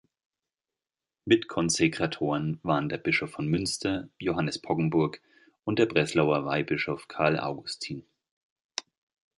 Mitkonsekratoren waren der Bischof von Münster, Johannes Poggenburg, und der Breslauer Weihbischof Karl Augustin.